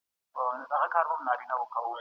لیکواله د ژباړې له امله خوشاله ده.